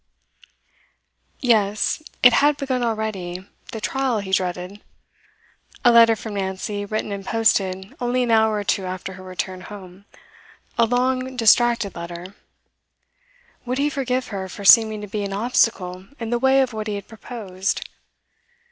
Yes, it had begun already, the trial he dreaded. A letter from Nancy, written and posted only an hour or two after her return home a long, distracted letter. Would he forgive her for seeming to be an obstacle in the way of what he had proposed?